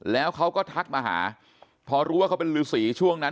แล้วเขาก็ทักมาหาพอรู้ว่าเขาเป็นฤษีช่วงนั้น